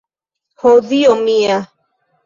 Ho dio mia!